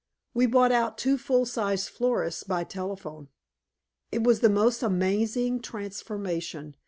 We bought out two full sized florists by telephone." It was the most amazing transformation.